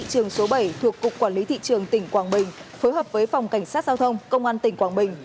công quản lý thị trường tỉnh quảng bình vừa phối hợp với phòng cảnh sát giao thông công an tỉnh quảng bình